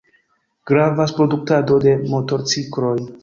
Gravas produktado de motorcikloj.